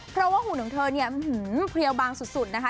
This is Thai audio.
เพราะว่าหุ่นของเธอเนี่ยเพลียวบางสุดนะคะ